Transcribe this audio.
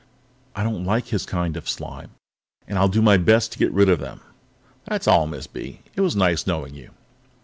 "I don't like his kind of slime, and I'll do my best to get rid of them. That's all, Miss B.; it was nice knowing you."